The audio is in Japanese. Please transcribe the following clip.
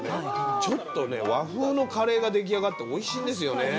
ちょっとね和風のカレーが出来上がっておいしいんですよね。